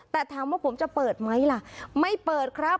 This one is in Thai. แต่ถามว่าผมจะเปิดไหมล่ะไม่เปิดครับ